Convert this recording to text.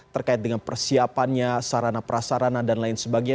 terkait dengan persiapannya sarana prasarana dan lain sebagainya